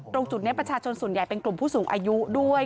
ตรงจุดนี้ประชาชนส่วนใหญ่เป็นกลุ่มผู้สูงอายุด้วย